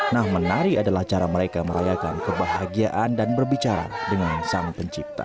nah menari adalah cara mereka merayakan kebahagiaan dan berbicara dengan sang pencipta